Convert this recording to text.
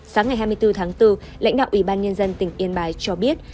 sáng ngày hai mươi bốn tháng bốn lãnh đạo ủy ban nhân dân tỉnh yên bái cho biết